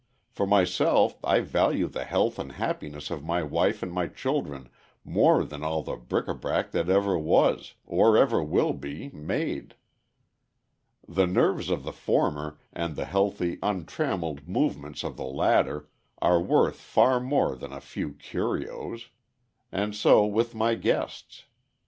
For myself I value the health and happiness of my wife and my children more than all the bric a brac that ever was, or ever will be, made. The nerves of the former, and the healthy, untrammeled movements of the latter, are worth far more than a few "curios." And so with my guests.